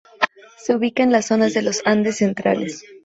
Se ubica en la zona de los Andes centrales.